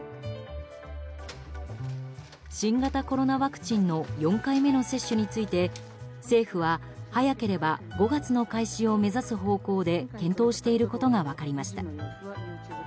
新型コロナワクチンの４回目の接種について政府は早ければ５月の開始を目指す方向で検討していることが分かりました。